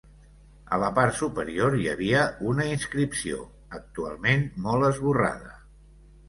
A la part superior hi havia una inscripció actualment molt esborrada.